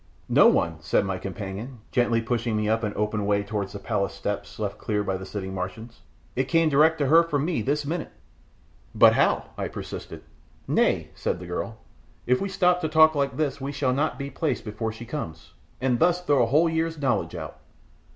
"No one," said my companion, gently pushing me up an open way towards the palace steps left clear by the sitting Martians. "It came direct from her to me this minute." "But how?" I persisted. "Nay," said the girl, "if we stop to talk like this we shall not be placed before she comes, and thus throw a whole year's knowledge out."